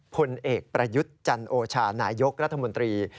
ผลเอกประยุทธ์จันโอชานายกรัฐมนตรี